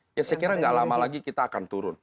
saya kira tidak lama lagi kita akan turun